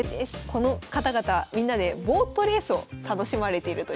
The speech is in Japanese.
この方々みんなでボートレースを楽しまれているということで。